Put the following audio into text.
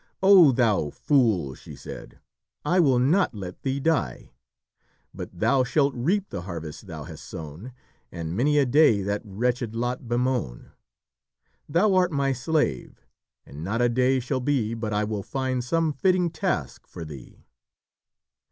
"O thou fool," she said, "I will not let thee die! But thou shalt reap the harvest thou hast sown, And many a day that wretched lot bemoan; Thou art my slave, and not a day shall be But I will find some fitting task for thee."